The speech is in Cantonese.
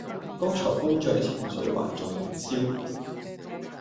剛才高漲的情緒還在燃燒